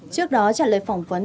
trước đó trả lời phỏng vấn